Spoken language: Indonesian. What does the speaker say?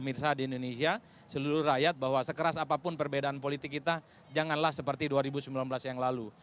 mirsa di indonesia seluruh rakyat bahwa sekeras apapun perbedaan politik kita janganlah seperti dua ribu sembilan belas yang lalu